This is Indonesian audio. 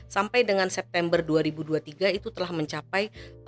sampai dengan september dua ribu dua puluh tiga itu telah mencapai